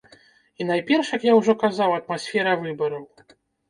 І найперш, як я ўжо казаў, атмасфера выбараў.